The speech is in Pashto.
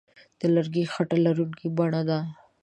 د لرګي خټه لرونکې بڼه ده.